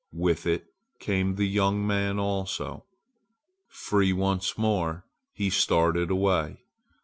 With it came the young man also. Free once more, he started away.